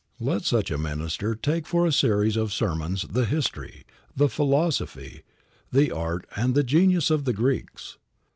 Let such a minister take for a series of sermons the history, the philosophy, the art and the genius of the Greeks.